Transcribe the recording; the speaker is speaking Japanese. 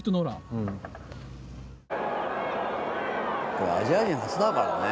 「これアジア人初だからね。